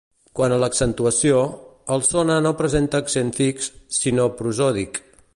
Quant a l'accentuació, el sona no presenta accent fix, sinó prosòdic.